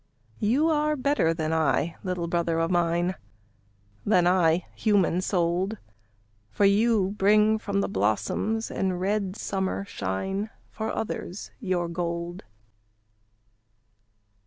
You are better than I, little brother of mine, Than I, human souled, For you bring from the blossoms and red summer shine, For others, your gold.